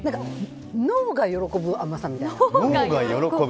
脳が喜ぶ甘さみたいな。